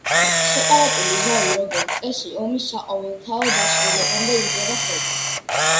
სეპარატული ზავი, როგორც წესი, ომის საყოველთაო დასრულებამდე იდება ხოლმე.